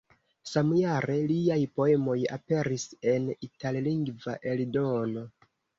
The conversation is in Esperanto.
Samjare liaj poemoj aperis en itallingva eldono.